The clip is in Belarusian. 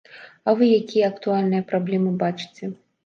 А вы якія актуальныя праблемы бачыце?